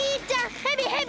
ヘビヘビ！